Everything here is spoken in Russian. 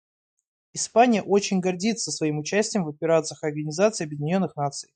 Испания очень гордится своим участием в операциях Организации Объединенных Наций.